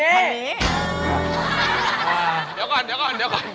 เดี๋ยวก่อน